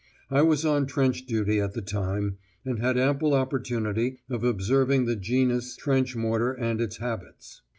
I was on trench duty at the time, and had ample opportunity of observing the genus trench mortar and its habits.